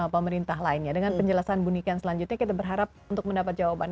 pemerintah lainnya dengan penjelasan bu niken selanjutnya kita berharap untuk mendapat jawaban